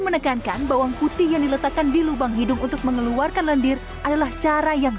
menekankan bawang putih yang diletakkan di lubang hidung untuk mengeluarkan lendir adalah cara yang